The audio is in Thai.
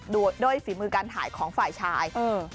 ด้วยฝีมือการถ่ายของฝ่ายชาย